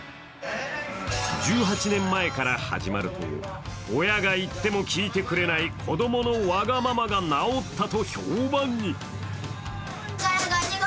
１８年前から始まると親が言っても聞いてくれない子供のわがままが直ったと評判に。